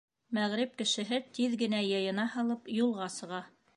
Мәғриб кешеһе, тиҙ генә йыйына һалып, юлға сыға.